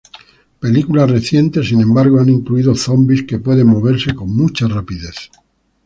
Películas recientes, sin embargo, han incluido zombis que pueden moverse con mucha rapidez.